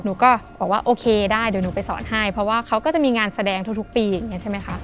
ก็บอกว่าโอเคได้เดี๋ยวหนูไปสอนให้เพราะว่าเขาก็จะมีงานแสดงทุกปีอย่างนี้ใช่ไหมคะ